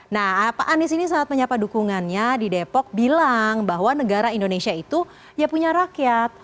nah pak anies ini saat menyapa dukungannya di depok bilang bahwa negara indonesia itu ya punya rakyat